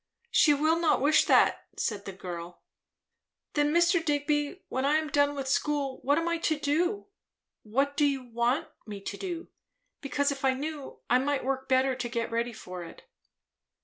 "She will not wish that," said the girl. "Then, Mr. Digby, when I am done with school what am I to do? What do you want me to do? Because if I knew, I might work better to get ready for it."